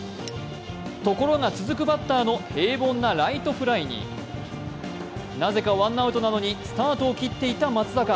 ところが続くバッターの平凡なライトフライになぜかワンアウトなのにスタートを切っていた松坂。